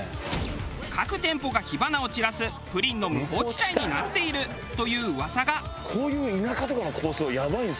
各店舗が火花を散らすプリンの無法地帯になっているという噂が。